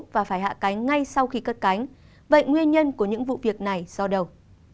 và phải hạ cánh ngay sau khi cất cánh vậy nguyên nhân của những vụ việc này do đầu